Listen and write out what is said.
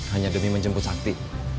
hanya demi menjemput sakti